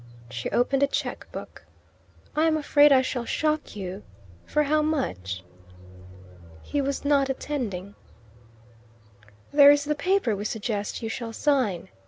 She opened a chequebook. "I am afraid I shall shock you. For how much?" He was not attending. "There is the paper we suggest you shall sign."